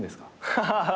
ハハハハ。